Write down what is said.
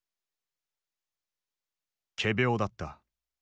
仮病だった。